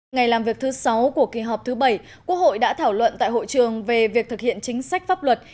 ngày làm việc thứ sáu của kỳ họp thứ bảy quốc hội đã thảo luận tại hội trường về việc thực hiện chính sách pháp luật